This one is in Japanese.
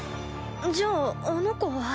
じゃああの子は。